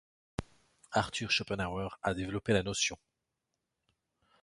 Arthur Schopenhauer a développé la notion.